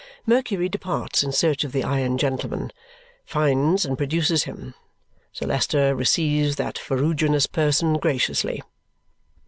Mercury departs in search of the iron gentleman, finds, and produces him. Sir Leicester receives that ferruginous person graciously.